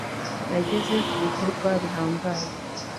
nageze ku bikorwa bihambaye